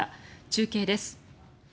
中継です。